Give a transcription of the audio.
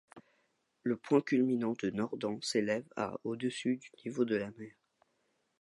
Le point culminant de Norden s'élève à au-dessus du niveau de la mer.